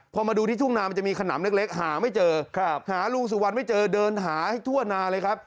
พอมาดูที่ทุ่งนามันจะมีขนำเล็กหาไม่เจอหาลุงสุวรรณไม่เจอเดินหาให้ทั่วนาเลยครับ